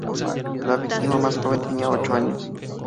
La víctima más joven tenía ocho años.